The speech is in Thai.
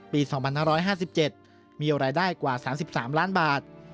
ปี๒๕๕๗มีรายได้กว่า๓๓ล้านบาท